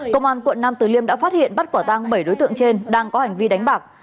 công an quận nam từ liêm đã phát hiện bắt quả tăng bảy đối tượng trên đang có hành vi đánh bạc